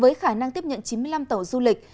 với khả năng tiếp nhận chín mươi năm tàu du lịch